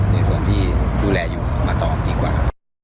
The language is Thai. ในส่วนที่ดูแลอยู่มาตอบดีกว่า